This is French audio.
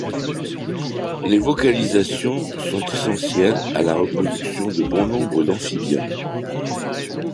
Les vocalisations sont essentielles à la reproduction de bon nombre d'amphibien.